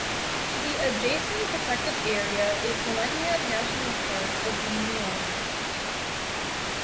The adjacent protected area is Lenya National Park of Myanmar.